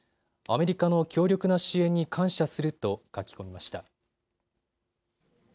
アメリカの強力な支援に感謝すると書き込みました。